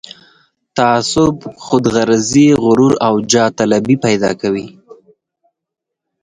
تعصب، خودغرضي، غرور او جاه طلبي پيدا کوي.